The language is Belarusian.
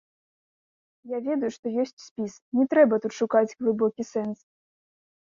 Я ведаю, што ёсць спіс, не трэба тут шукаць глыбокі сэнс.